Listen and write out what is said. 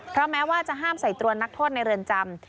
เพราะแม้ว่าจะห้ามใส่ตัวนักโทษในเรือนจำ